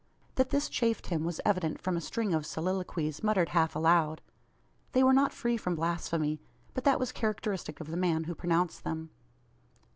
That this chafed him was evident from a string of soliloquies, muttered half aloud. They were not free from blasphemy; but that was characteristic of the man who pronounced them.